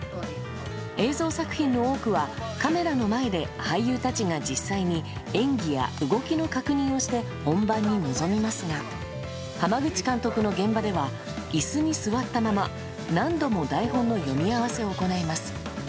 映像作品の多くはカメラの前で俳優たちが実際に演技や動きの確認をして本番に臨みますが濱口監督の現場では椅子に座ったまま何度も台本の読み合わせを行います。